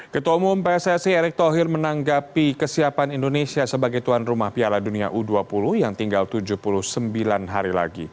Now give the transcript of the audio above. ketua umum pssi erick thohir menanggapi kesiapan indonesia sebagai tuan rumah piala dunia u dua puluh yang tinggal tujuh puluh sembilan hari lagi